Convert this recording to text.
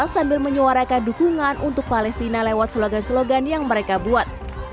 sambil menyuarakan dukungan untuk palestina lewat slogan slogan yang mereka buat